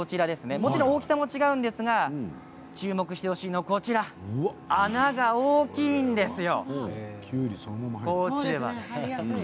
もちろん大きさも違うんですが注目してほしいのは穴が大きいんですよ。